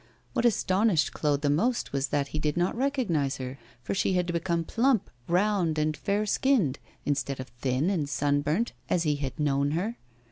What astonished Claude the most was that he did not recognise her, for she had become plump, round, and fair skinned, instead of thin and sunburnt as he had known her.